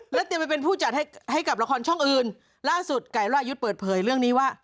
เตรียมไปเป็นผู้จัดให้ให้กับละครช่องอื่นล่าสุดไก่รายุทธ์เปิดเผยเรื่องนี้ว่า